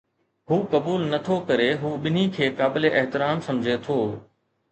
هو قبول نه ٿو ڪري، هو ٻنهي کي قابل احترام سمجهي ٿو